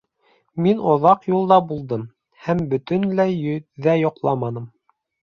Мин оҙаҡ юлда булдым һәм бөтөнләй ҙә йоҡламаным...